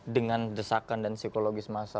dengan desakan dan psikologis masa